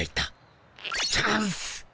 チャンス！